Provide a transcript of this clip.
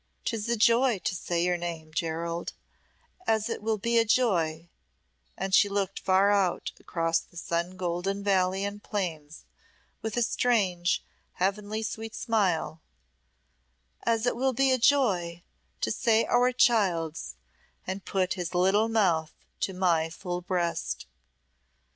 'Tis a joy to say your name, Gerald, as it will be a joy" and she looked far out across the sun goldened valley and plains, with a strange, heavenly sweet smile "as it will be a joy to say our child's and put his little mouth to my full breast."